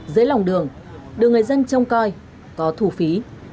dưới lòng đường đường người dân trông coi có thủ phí